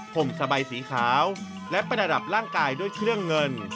ผมสบายสีขาวและประดับร่างกายด้วยเครื่องเงิน